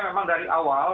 memang dari awal